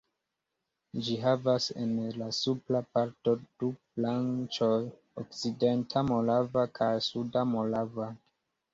Ĝi havas en la supra parto du branĉojn, Okcidenta Morava kaj Suda Morava.